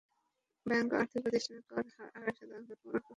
Bank ও আর্থিক প্রতিষ্ঠানের কর হার আড়াই শতাংশ কমানোর প্রস্তাব করা হয়েছে।